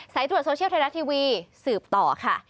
ตรวจโซเชียลไทยรัฐทีวีสืบต่อค่ะ